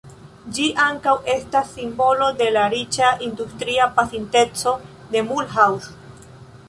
Ĝi ankaŭ estas simbolo de la riĉa industria pasinteco de Mulhouse.